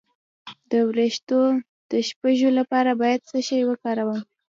د ویښتو د شپږو لپاره باید څه شی وکاروم؟